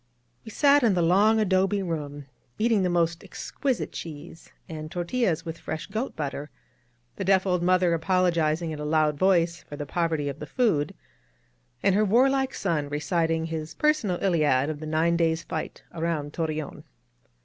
We sat in the long adobe room, eating the most exquisite cheese, and tortiUas with fresh goat butter, — the deaf old mother apologizing in a loud voice for the poverty of the food, and her warlike son reciting his personal Iliad of the nine days' fight around Tor reon.